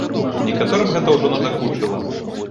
Некаторым гэта ўжо надакучыла.